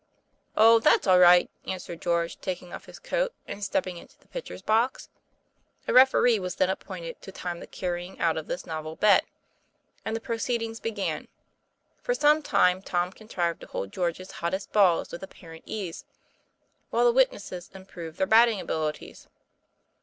"Oh! that's all right," answered George, taking off his coat, and stepping into the pitcher's box. A referee was then appointed to time the carrying out of this novel bet; and the proceedings began. For some time Tom contrived to hold George's hottest balls with apparent ease, while the witnesses improved their batting abilities.